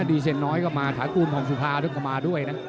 ดีเซ็นต์น้อยก็มาถาคุณพองศุภาก็มาด้วยนะ